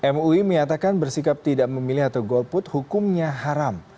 mui menyatakan bersikap tidak memilih atau golput hukumnya haram